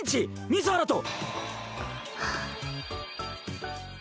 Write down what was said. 水原と。